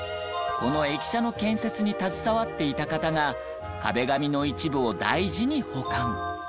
この駅舎の建設に携わっていた方が壁紙の一部を大事に保管。